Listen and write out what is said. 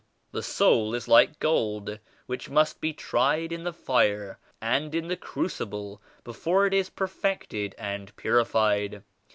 The soul is like gold which must be tried in the fire and in the cru cible before it is perfected and purified.